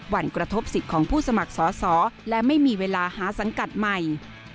วันกระทบสิทธิ์ของผู้สมัครสอสอและไม่มีเวลาหาสังกัดใหม่